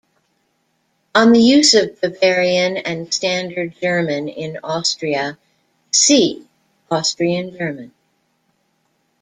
On the use of Bavarian and standard German in Austria "see" Austrian German.